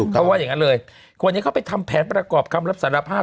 เขาว่าอย่างนั้นเลยคนนี้เขาไปทำแผนประกอบคำรับสารภาพ